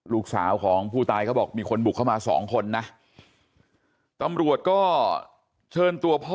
ลูกสาวของผู้ตายเขาบอกมีคนบุกเข้ามาสองคนนะตำรวจก็เชิญตัวพ่อ